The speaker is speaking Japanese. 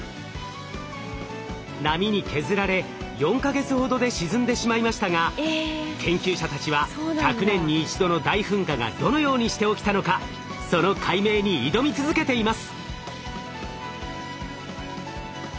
波に削られ４か月ほどで沈んでしまいましたが研究者たちは１００年に一度の大噴火がどのようにして起きたのかその解明に挑み続けています。